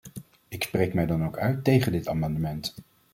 Ik spreek mij dan ook uit tegen dit amendement.